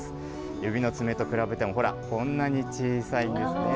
指の爪と比べてもほら、こんなに小さいんですね。